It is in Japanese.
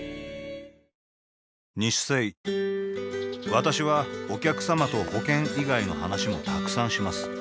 私はお客様と保険以外の話もたくさんします